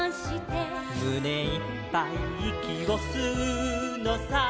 「むねいっぱいいきをすうのさ」